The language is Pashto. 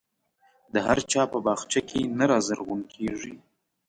د هر چا په باغچه کې نه رازرغون کېږي.